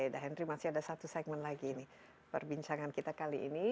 da henry masih ada satu segmen lagi ini perbincangan kita kali ini